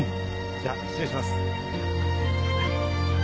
じゃあ失礼します。